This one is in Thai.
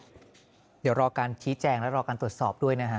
เดี๋ยวรอการชี้แจงและรอการตรวจสอบด้วยนะฮะ